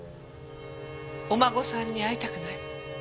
お孫さんに会いたくない？